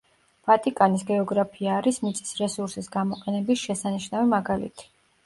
ვატიკანის გეოგრაფია არის მიწის რესურსის გამოყენების შესანიშნავი მაგალითი.